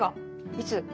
いつ？